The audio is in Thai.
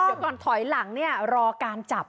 เดี๋ยวก่อนถอยหลังเนี่ยรอการจับ